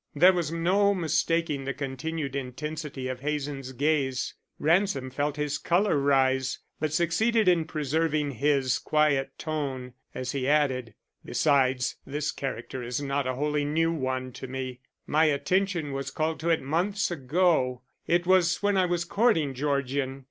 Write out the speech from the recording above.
There was no mistaking the continued intensity of Hazen's gaze. Ransom felt his color rise, but succeeded in preserving his quiet tone, as he added: "Besides, this character is not a wholly new one to me. My attention was called to it months ago. It was when I was courting Georgian.